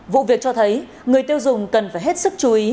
vụ việc cho thấy người tiêu dùng cần phải hết sức chú ý